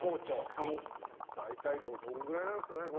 大体どのくらいなんですかね